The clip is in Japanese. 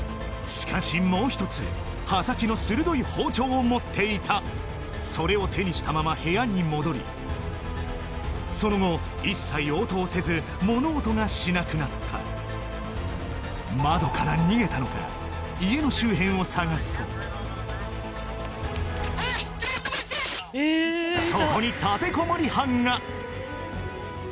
しかしもう一つ刃先の鋭い包丁を持っていたそれを手にしたまま部屋に戻りその後一切応答せず物音がしなくなったそこに立てこもり犯が！